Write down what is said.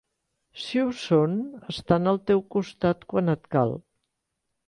Si ho són, estan al teu costat quan et cal.